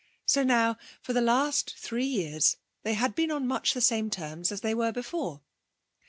So now, for the last three years, they had been on much the same terms as they were before.